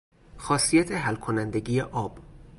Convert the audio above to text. خاصیت حل کنندگی آب